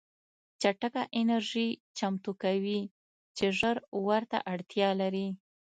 چټکه انرژي چمتو کوي چې ژر ورته اړتیا لري